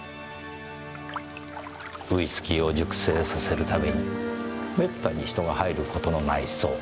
ウィスキーを熟成させるために滅多に人が入る事のない倉庫。